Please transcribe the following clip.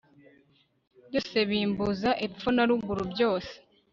byose, bimbuza epfo na ruguru, byose